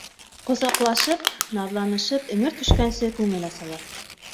Ҡосаҡлашып, наҙланышып, эңер төшкәнсе күңел асалар.